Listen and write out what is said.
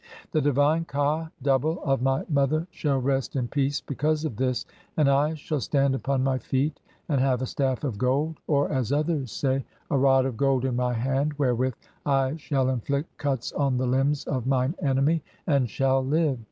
The divine ka (double) of my "mother (3) shall rest in peace because of this, and I shall stand "upon my feet and have a staff of gold," or (as others say), "a rod of gold in my hand, wherewith I shall inflict cuts on "the limbs [of mine enemy] and shall live.